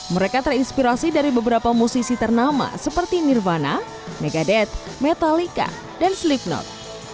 mereka terinspirasi dari beberapa musisi ternama seperti nirvana megadeth metallica dan slipknot